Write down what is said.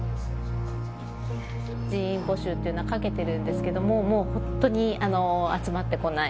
人員募集というのはかけてるんですけれども、もう本当に集まってこない。